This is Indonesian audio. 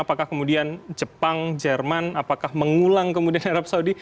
apakah kemudian jepang jerman apakah mengulang kemudian arab saudi